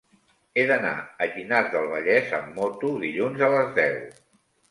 He d'anar a Llinars del Vallès amb moto dilluns a les deu.